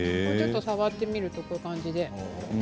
ちょっと触ってみるとこんな感じで。